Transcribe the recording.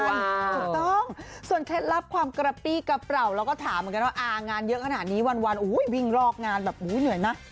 ถูกต้องส่วนเท็จลับความกระปี้กระเปร่าแล้วก็ถามเหมือนกันว่างานเยอะขนาดนี้วันวิ่งรอกงานเหนื่อยนะ